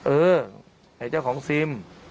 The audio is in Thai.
เออไอ้เจ้าของซิม